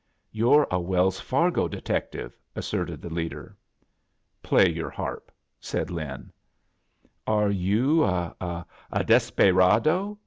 "You're a "Wells Fargo detective," as serted the leader. "Play yotfl harp," said Lin. "Are you a — a desperaydo?"